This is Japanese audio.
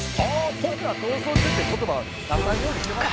「僕らは『逃走中』って言葉は出さんようにしてましたよ」